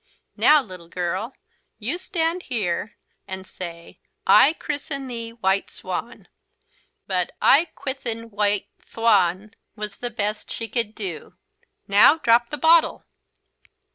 "Now, little girl, you stand here and say: 'I christen thee White Swan.'" But, "I ckwithen Wite Thwan" was the best she could do. "Now drop the bottle!"